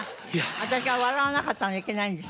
私が笑わなかったのがいけないんでしょ？